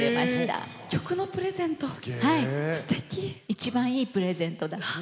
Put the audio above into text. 一番いいプレゼントだった。